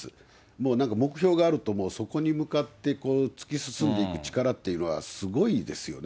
もうなんか目標があると、もうそこに向かって突き進んでいく力というのは、すごいですよね。